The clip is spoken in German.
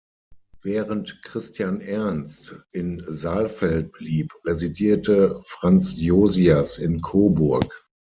Während Christian Ernst in Saalfeld blieb, residierte Franz Josias in Coburg.